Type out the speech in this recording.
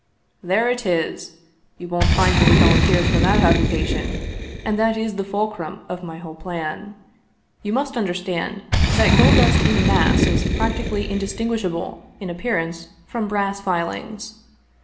" There it is ! You won't find many volunteers for that occupation, and that is the fulcrum of my whole plan. You must understand that gold dust in the mass is practically indistinguishable in appearance from brass filings.